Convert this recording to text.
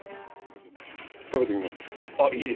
食べてみますか？